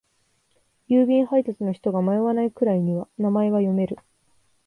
郵便配達の人が迷わないくらいには名前は読める。